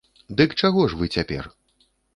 Дык чаго ж вы цяпер?